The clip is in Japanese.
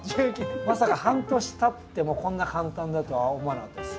まさか半年たってもこんな簡単だとは思わなかったです。